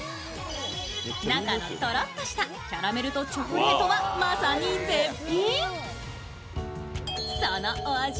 中のとろっとしたキャラメルとチョコレートはまさに絶品。